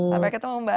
sampai ketemu mbak